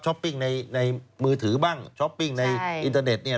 ปิ้งในมือถือบ้างช้อปปิ้งในอินเทอร์เน็ตเนี่ย